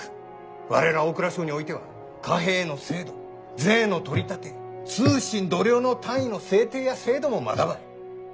我ら大蔵省においては貨幣の制度税の取り立て通信度量の単位の制定や制度もまだばい。